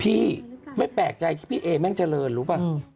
พี่ไม่แปลกใจที่พี่เอแม่งเจริญรู้ป่ะ